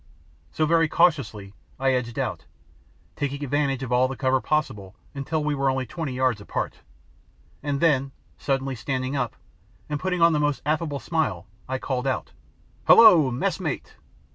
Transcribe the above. So very cautiously I edged out, taking advantage of all the cover possible until we were only twenty yards apart, and then suddenly standing up, and putting on the most affable smile, I called out "Hullo, mess mate!"